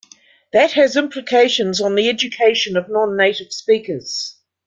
That has implications on the education of non-native speakers.